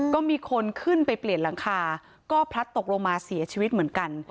ก็มีคนขึ้นไปเปลี่ยนหลังคาก็พลัดตกลงมาเสียชีวิตเหมือนกัน